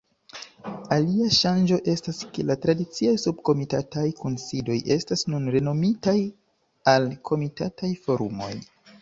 Alia ŝanĝo estas ke la tradiciaj subkomitataj kunsidoj estas nun renomitaj al komitataj forumoj.